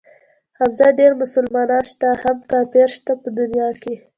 حمزه ډېر مسلمانان شته هم کافر شته په دنيا کښې.